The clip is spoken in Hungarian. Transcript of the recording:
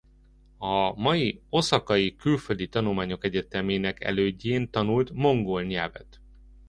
A mai oszakai Külföldi Tanulmányok Egyetemének elődjén tanult mongol nyelvet.